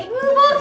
apa lagi sih